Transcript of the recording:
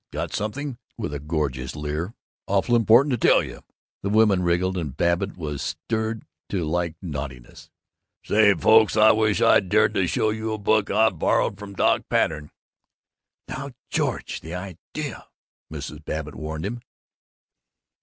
Got something," with a gorgeous leer, "awful important to tell you!" The women wriggled, and Babbitt was stirred to like naughtiness. "Say, folks, I wished I dared show you a book I borrowed from Doc Patten!" "Now, George! The idea!" Mrs. Babbitt warned him.